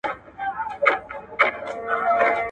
مُلا بیا ویل زه خدای یمه ساتلی.